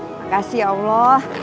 makasih ya allah